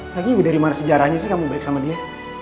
lagi dari mana sejarahnya sih kamu break sama dia